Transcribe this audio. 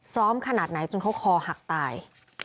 ซ้อมขนาดไหนจนเค้าคอหักตาย